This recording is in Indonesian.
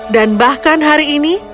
dan bahkan hari ini